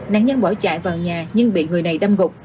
nạn nhân bỏ chạy vào nhà nhưng bị người này đâm gục